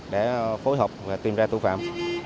đã phối hợp và tìm ra tù phạm